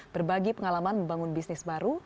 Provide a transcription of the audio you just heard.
berbagi pengalaman membangun bisnis baru